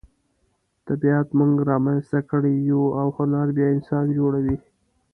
طبیعت موږ را منځته کړي یو او هنر بیا انسانان جوړوي.